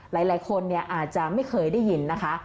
หลายคนอาจจะไม่เคยได้ยินนะคะ